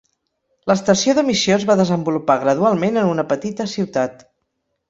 L'estació de missió es va desenvolupar gradualment en una petita ciutat.